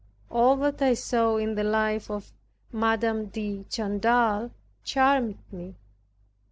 All that I saw in the life of M. de Chantal charmed me.